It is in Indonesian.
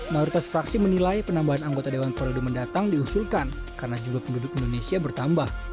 mayoritas fraksi menilai penambahan anggota dewan periode mendatang diusulkan karena jumlah penduduk indonesia bertambah